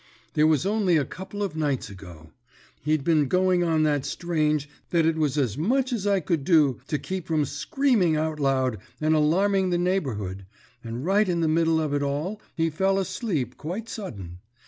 There was only a couple of nights ago. He'd been going on that strange that it was as much as I could do to keep from screaming out loud and alarming the neighbourhood, and right in the middle of it all he fell asleep quite sudden.